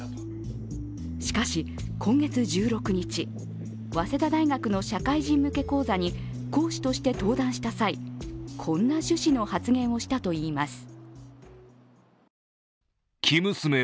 しかし、今月１６日、早稲田大学の社会人向け講座に講師として登壇した際、こんな趣旨の発言をしたといいます。